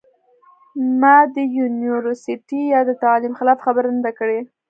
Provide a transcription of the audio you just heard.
ما د يونيورسټۍ يا د تعليم خلاف خبره نۀ ده کړې